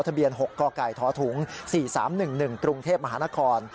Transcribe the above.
ทะเบียน๖กกทถุง๔๓๑๑กรุงเทพมหานคร